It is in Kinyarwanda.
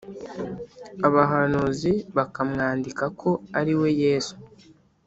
Abahanuzi bakamwandika ko ariwe Yesu